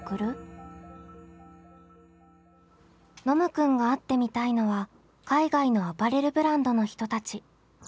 ノムくんが会ってみたいのは海外のアパレルブランドの人たち。